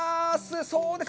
そうです。